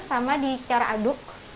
sama di cara aduk